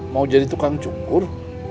mau jadi tukang cukur